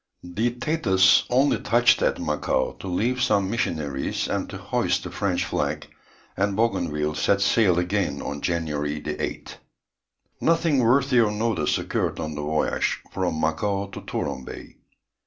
The Thetis only touched at Macao to leave some missionaries, and to hoist the French flag, and Bougainville set sail again on January 8th. Nothing worthy of notice occurred on the voyage from Macao to Touron Bay.